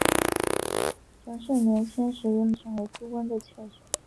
陈氏年轻时以美色选为朱温的妾室。